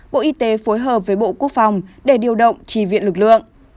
bộ y tế phối hợp với bộ quốc phòng để điều động trì viện lực lượng